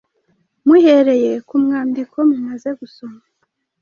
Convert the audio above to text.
Muhereye ku mwandiko mumaze gusoma,